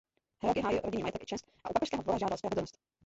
Hrabě hájil rodinný majetek i čest a u papežského dvora žádal spravedlnost.